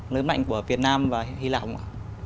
lớn mạnh của việt nam và hy lạp không ạ